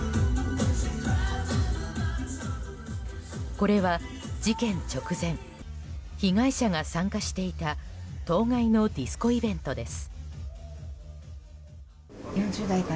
これは、事件直前被害者が参加していた当該のディスコイベントです。